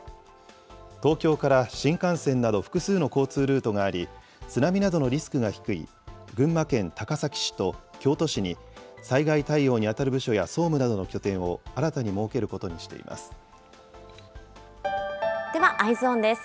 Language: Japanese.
東京から新幹線など、複数の交通ルートがあり、津波などのリスクが低い、群馬県高崎市と京都市に、災害対応にあたる部署や総務などの拠点を新たに設けることにしてではＥｙｅｓｏｎです。